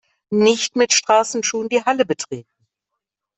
Nicht mit Straßenschuhen die Halle betreten!